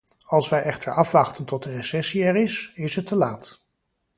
Als wij echter afwachten tot de recessie er is, is het te laat.